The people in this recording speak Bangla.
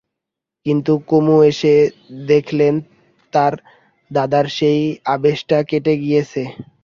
কিন্তু কুমু এসে দেখলে তার দাদার সেই আবেশটা কেটে গিয়েছে।